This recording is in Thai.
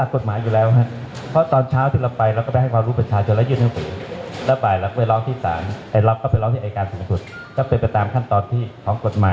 กลุ่มไทยพักดีของคุณหมอวะรวงนี้บอกว่าจะไปถึงหน้ารถสภา๙โมงเช้า